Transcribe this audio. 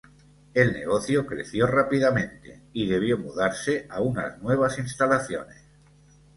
El negocio creció rápidamente, y debió mudarse a a unas nuevas instalaciones.